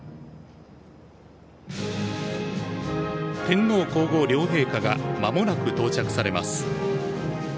天皇皇后両陛下が間もなく到着されます。